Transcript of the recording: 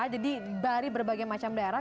jadi dari berbagai macam daerah